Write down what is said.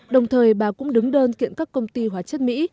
đồng thời bà cũng đứng đơn kiện các công ty hóa chất mỹ